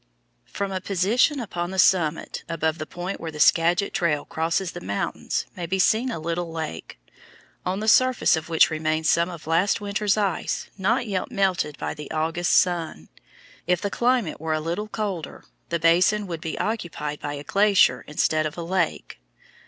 From a position upon the summit above the point where the Skagit trail crosses the mountains may be seen a little lake, on the surface of which remains some of last winter's ice not yet melted by the August sun. If the climate were a little colder, the basin would be occupied by a glacier instead of a lake.